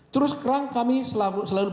terus kerang kami selalu bertanya tanya soal ini